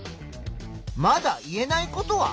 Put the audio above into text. まだ言えないことは？